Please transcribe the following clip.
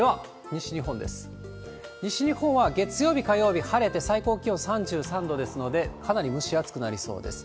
西日本は月曜日、火曜日、晴れて最高気温３３度ですので、かなり蒸し暑くなりそうです。